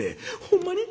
ほんまに？